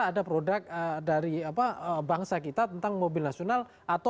ada produk dari bangsa kita tentang mobil nasional